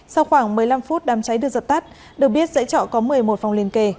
sau khoảng một mươi năm phút đám cháy được giật tắt được biết dãy trọ có một mươi một phòng liên kề